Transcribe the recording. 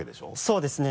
そうですね